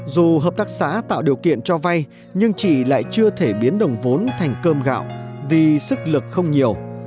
dù hợp tác xã tạo điều kiện cho vay nhưng chị lại chưa thể biến đồng vốn thành cơm gạo vì sức lực không nhiều